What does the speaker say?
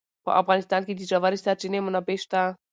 په افغانستان کې د ژورې سرچینې منابع شته.